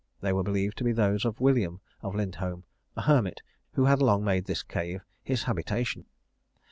They were believed to be those of William of Lindholm, a hermit, who had long made this cave his habitation.